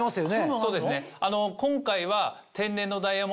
そうですね。